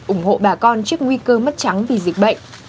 ủng hộ bà con trước nguy cơ mất trắng vì dịch bệnh